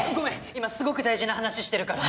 今すごく大事な話してるから。